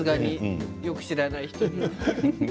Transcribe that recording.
よく知らない人には。